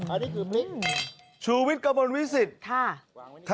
อันนี้คือพริกชูวิทย์กระบวนวิสิตค่ะ